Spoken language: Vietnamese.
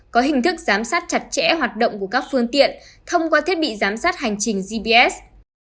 có hình thức giám sát chặt chẽ hoạt động của các phương tiện thông qua thiết bị giám sát hành trình gps